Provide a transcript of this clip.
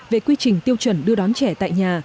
về quy trình tiêu chuẩn đưa đón trẻ tại nhà